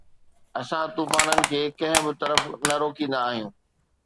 اسان طوفانن کي ڪنهن به طرف نه روڪيندا آهيون